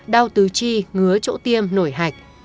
đau tứ chi ngứa chỗ tiêm nổi hạch